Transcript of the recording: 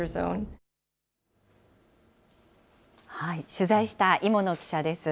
取材した芋野記者です。